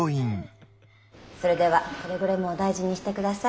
それではくれぐれもお大事にしてください。